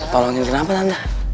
tolongin kenapa tante